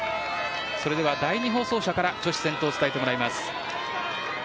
第２放送車から女子先頭を伝えてもらいます。